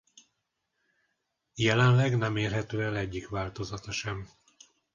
Jelenleg nem érhető el egyik változata sem.